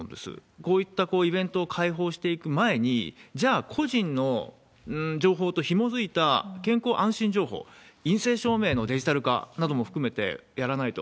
こういったイベントを開放していく前に、じゃあ、個人の情報とひもづいた健康安心情報、陰性証明のデジタル化なども含めてやらないと。